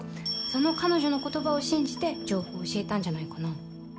その彼女の言葉を信じて情報を教えたんじゃないかな。